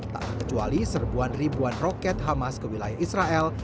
tak terkecuali serbuan ribuan roket hamas ke wilayah israel